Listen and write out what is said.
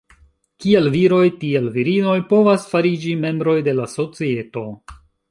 Kiel viroj tiel virinoj povas fariĝi membroj de la societo.